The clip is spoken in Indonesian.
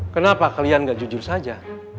kenapa kalian gak jujur saja